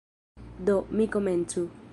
Do, mi komencu!